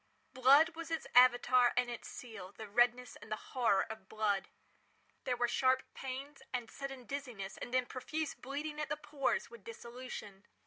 Blood was its Avatar and its seal—the redness and the horror of blood. There were sharp pains, and sudden dizziness, and then profuse bleeding at the pores, with dissolution.